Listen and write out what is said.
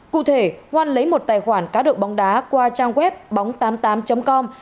cụ thể khoan lấy một tài khoản cá đựng bóng đá qua trang web bóng tám mươi tám com